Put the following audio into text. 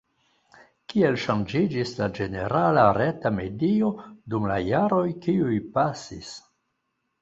Kiel ŝanĝiĝis la ĝenerala reta medio dum la jaroj kiuj pasis?